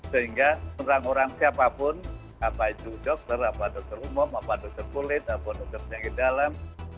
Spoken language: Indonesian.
sehingga orang orang siapapun apa itu dokter apa dokter umum apa dokter kulit apa dokter penyakit dalam